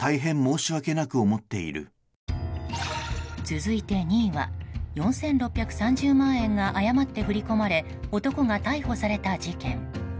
続いて２位は４６３０万円が誤って振り込まれ男が逮捕された事件。